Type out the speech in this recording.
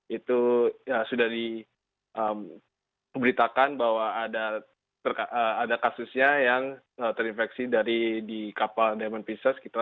itu sudah diberitakan bahwa ada kasusnya yang terinfeksi dari di kapal diamond princess sekitar tujuh puluh delapan